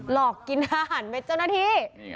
หลอกกินอาหารเม็ดเจ้าหน้าที่